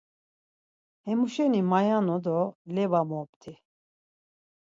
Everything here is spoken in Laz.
Hemuşeni mayanu do leba mopti.